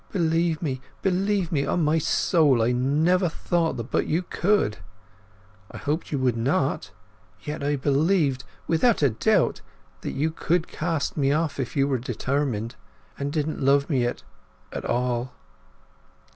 Believe me—believe me, on my soul, I never thought but that you could! I hoped you would not; yet I believed, without a doubt, that you could cast me off if you were determined, and didn't love me at—at—all!"